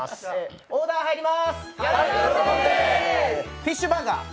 フィッシュバーガー。